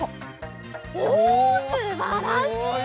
おおすばらしい！